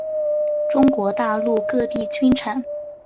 中国大陆各地均产。